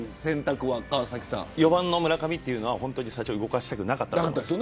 ４番の村上というのは動かしたくなかったと思います。